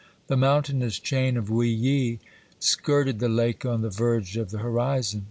The mountainous chain of Vuilly skirted the lake on the verge of the horizon.